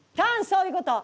そういうこと。